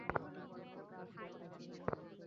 ঘরের মধ্য হইতে তৎক্ষণাৎ আহ্বান আসিল, বিহারী-ঠাকুরপো।